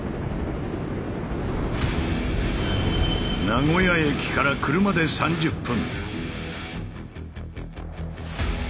名古屋駅から車で３０分。